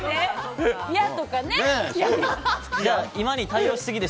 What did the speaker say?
矢とかね。